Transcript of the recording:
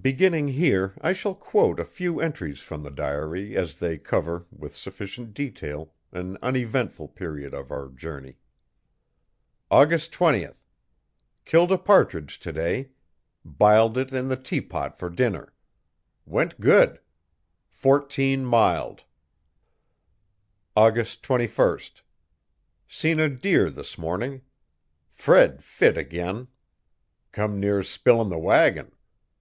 Beginning here I shall quote a few entries from the diary as they cover, with sufficient detail, an uneventful period of our journey. AUGUST 20 Killed a partridge today. Biled it in the teapot for dinner. Went good. 14 mild. AUGUST 21 Seen a deer this morning. Fred fit ag'in. Come near spilin' the wagon.